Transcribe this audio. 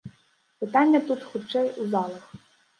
Пытанне тут, хутчэй, у залах.